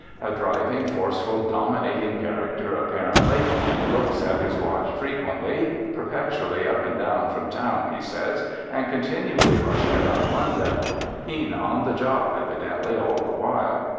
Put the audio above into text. A driving, forceful, dominating character, apparently. Looks at his watch frequently. Perpetually up and down from town, he says, and continually rushing about London. Keen on the job, evidently, all the while.